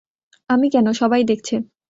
আমি কেন, সবাই দেখছে।